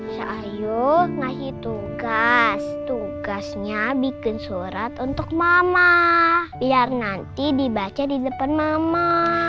saya yuk ngasih tugas tugasnya bikin surat untuk mama biar nanti dibaca di depan mama